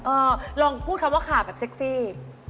ลองพูดคำว่าขาแบบเซ็กซี่